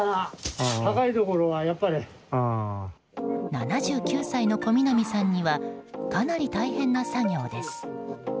７９歳の小南さんにはかなり大変な作業です。